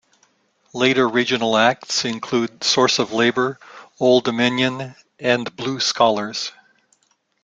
Later regional acts include Source of Labor, Oldominion and Blue Scholars.